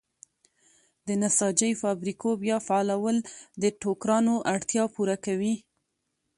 د نساجۍ فابریکو بیا فعالول د ټوکرانو اړتیا پوره کوي.